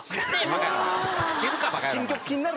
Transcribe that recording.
新曲気になるね。